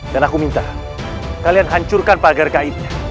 dan aku minta kalian hancurkan pagar kainnya